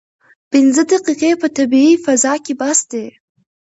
پنځه دقیقې په طبیعي فضا کې بس دي.